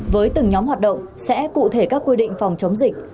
với từng nhóm hoạt động sẽ cụ thể các quy định phòng chống dịch